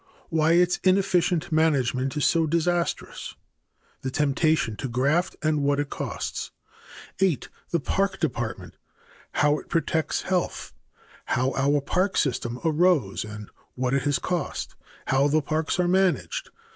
Why its inefficient management is so disastrous. The temptation to graft and what it costs. 8. The Park Department. How it protects health. How our park system arose and what it has cost. How the parks are managed.